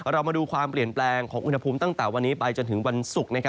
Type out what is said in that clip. เรามาดูความเปลี่ยนแปลงของอุณหภูมิตั้งแต่วันนี้ไปจนถึงวันศุกร์